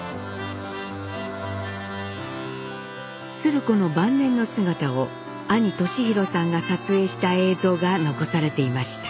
鶴子の晩年の姿を兄年浩さんが撮影した映像が残されていました。